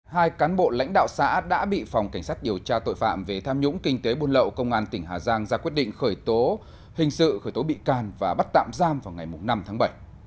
hai cán bộ lãnh đạo xã đã bị phòng cảnh sát điều tra tội phạm về tham nhũng kinh tế buôn lậu công an tỉnh hà giang ra quyết định khởi tố hình sự khởi tố bị can và bắt tạm giam vào ngày năm tháng bảy